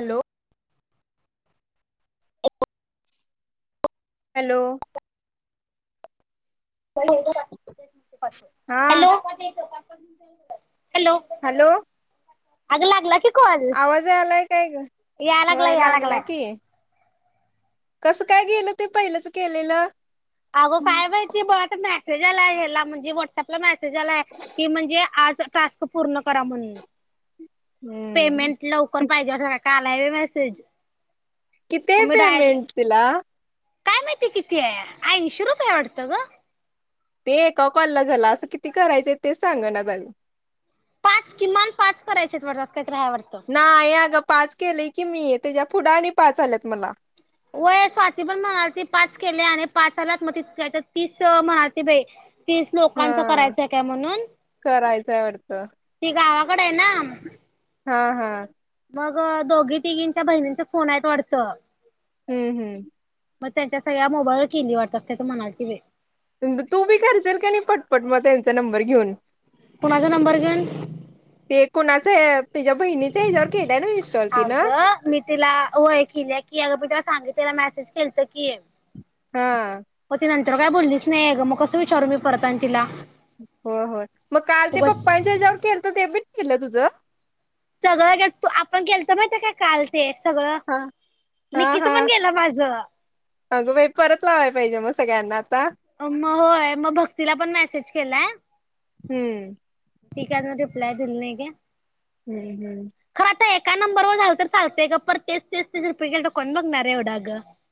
Hello. अ [unintelligible] hello. Hello. हा [inaudible] hello. अग लागला कि आवाज यालाय काय ग या होय लागलाय या लागलं लागलाय की. कसं काय गेलं ते पहिलंच केलेलं‌. अगं काय माहिती [unintelligible] नाही. [unintelligible] म्हणजे व्हाट्सअप. मेसेज आलाय की म्हणजे. आज टास्क पूर्ण करा म्हणून. हम्म पेमेंट लवकर पाहिजे [unintelligible] का [unintelligible] मेसेज‌ किती पेमेंट तिला. काय माहितीय किती आहे. ऐंशी रुपये वाटत ग. ते एका कॉलला झाला असं किती करायचंय तेच सांग ना [unintelligible] पाच किमान पाच करायचे वडत असं कायतरी हायवरटत. नाही अगं पाच केले की मी त्याच्या पुढं आणि पाच आल्यात मला. होय स्वाती पण म्हणालती पाच केले आणि पाच [unintelligible] तर तीस म्हणालती बाई. तीस हा लोकांच करायचं आहे काय म्हणून करायचंय वाटतं ती गावा. [unintelligible] आहे ना. हा हा. मग दोघी तिघींच्या बहिणींचा फोन आहेत वाढतं. हम्म हम्म. मग त्यांच्या सगळ्या मोबाईलवर केल्ली वाटत अस काय तर म्हणाल ती बई. तू बी करचील क नाही पटपट मग त्यांचा नंबर घेऊन. कोणाचा नंबर घेऊन. [unintelligible] तिच्या बहिणीचे ह्याच्यावर ना इन्स्टॉल तिनं अगं मी तिला वय किल्या की अगं मी तिला सांगित ला मेसेज केलतं की. हा. हो [unintelligible] त्र काय बोललीच नाही ग मग कस विचारू मी परत आणी तिला. हो हो म काल ते उगच पप्पांच्या हिच्यावर केलतो ते बी [unintelligible] तुझं सगळं [unintelligible] आपण केलत माहित आहे काय काल ते. सगळं हा हा निकीच हा पण गेलं माझ. अगं बाई परत लावाय पाहिजे मग सगळ्यांना. अ म होय मग भक्तीला पण मॅसेज केलाय? हम्म. ती काय अजून रिप्लाय दिली नाही ग. हम्म हम्म. काय नंबरवर झाल तर चालतय ग परत तेच तेच तेच रिपीट केलं तर कोण बघणार आहे एवढं अग.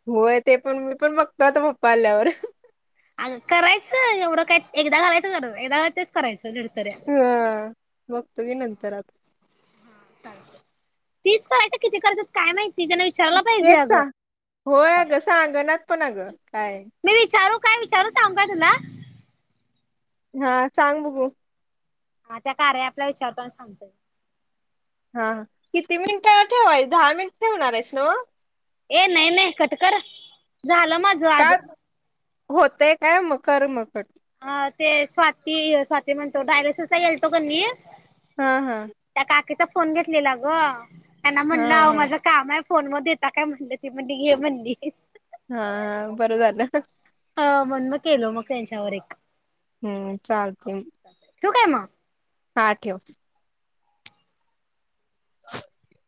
होय ते पण मी पण बघतो आता पप्पा आल्यावर अग करायचं एवढं काय एकदा घालायच एकदा घालायच तेच करायचं ल हा बघतो मी नंतर आता चा तीस करायचं काय किती करायच काय माहित? तेच ता होय अग सांगणात पण अग. मी विचारू, काय विचारू सांगु काय तुला? हा सांग बघू. हा त्या कार्या ॲपला विचारतो आणी सांगतो घे. ह किती मिनिट ठेवाय दहा मिनिट ठेवणार आहेस न्हव. ए नाही नाही कटकर. झालं माझं आज. होतय काय म कर मग पट आ ते स्वाती स्वाती म्हणतो डायलेसिसला गेलतो कनी, ह हा फोन घेतलेला ग. त्यांना हा म्हणलं आवो हा माझं काम हाय. फोन म देता काय म्हणलं, ती म्हणली घे म्हणली. हा बरं झालं. अवण म केल मग त्यांच्यावर एक. हम्म चालतय. ठीवू काय मग? हा ठेव. अ